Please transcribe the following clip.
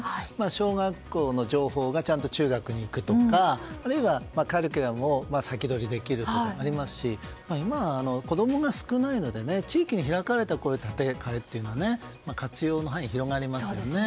小学校の情報がちゃんと中学に行くとかあるいは、カリキュラムを先取りできるとかありますし今、子供が少ないので地域に開かれた建て替えというのは活用の範囲が広がりますよね。